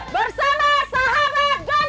bersama sahabat ganjar